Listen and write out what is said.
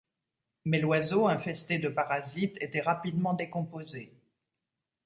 Mais l'oiseau infesté de parasites était rapidement décomposé.